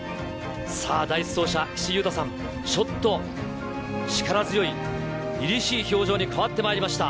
さあ第１走者、岸優太さん、ちょっと力強い、りりしい表情に変わってまいりました。